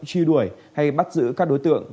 truy đuổi hay bắt giữ các đối tượng